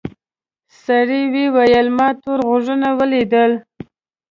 سړي وویل ما تور غوږونه ولیدل.